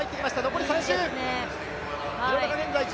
残り３周。